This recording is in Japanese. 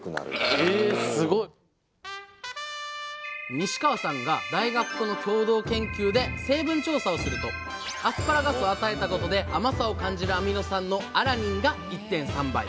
西川さんが大学との共同研究で成分調査をするとアスパラガスを与えたことで甘さを感じるアミノ酸のアラニンが１．３倍。